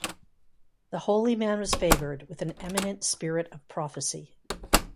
The holy man was favored with an eminent spirit of prophecy.